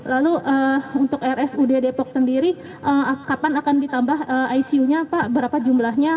lalu untuk rsud depok sendiri kapan akan ditambah icu nya pak berapa jumlahnya